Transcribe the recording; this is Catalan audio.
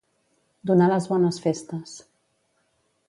Donar les bones festes.